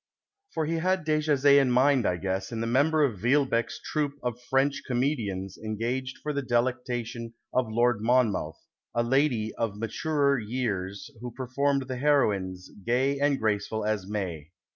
For he had Dejazet in mind, I guess, in tiic member of Villebccque's troop of French comedians engaged for the delectation of Lord Monmouth, " a lady of maturcr years who performed the heroines, gay and graceful as May."